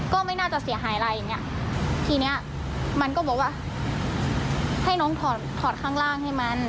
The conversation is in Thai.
ก็ไม่น่าจะเสียหายอะไรอย่างเงี้ยทีเนี้ยมันก็บอกว่าให้น้องถอดถอดข้างล่างให้มัน